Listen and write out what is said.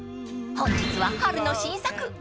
［本日は春の新作］